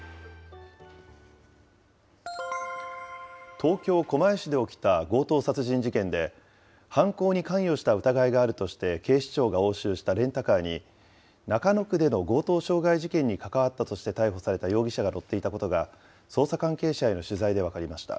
東京・狛江市で起きた強盗殺人事件で、犯行に関与した疑いがあるとして警視庁が押収したレンタカーに、中野区での強盗傷害事件に関わったとして逮捕された容疑者が乗っていたことが、捜査関係者への取材で分かりました。